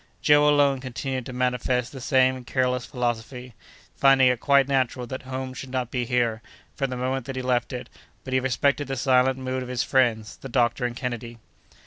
Joe alone continued to manifest the same careless philosophy, finding it quite natural that home should not be there, from the moment that he left it; but he respected the silent mood of his friends, the doctor and Kennedy.